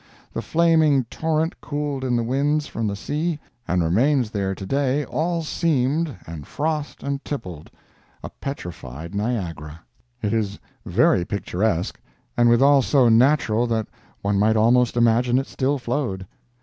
The flaming torrent cooled in the winds from the sea, and remains there to day, all seamed, and frothed and tippled—a petrified Niagara. It is very picturesque, and withal so natural that one might almost imagine it still flowed.